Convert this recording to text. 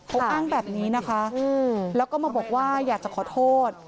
เขาอ้างแบบนี้นะคะแล้วก็มาบอกว่าอยากจะขอโทษ